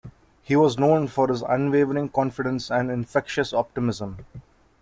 He was known for his unwavering confidence and infectious optimism.